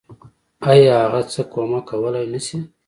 آيا هغه څه کمک کولی نشي.